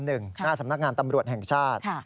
หน้าสำนักงานตำรวจแห่งชาติ